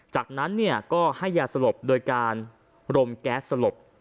จากนั้นก็ให้ยาสลบโดยการรมแก๊สสลบ